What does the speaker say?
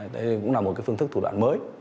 đây cũng là một phương thức thủ đoạn mới